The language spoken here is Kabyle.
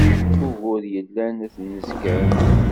Ugur yellan ad t-nezger.